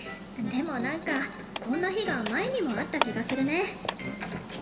でもなんかこんな日が前にもあった気がするね。